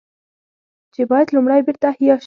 چې بايد لومړی بېرته احياء شي